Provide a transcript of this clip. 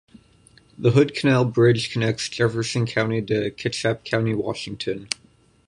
The Hood Canal Bridge connects Jefferson County to Kitsap County, Washington.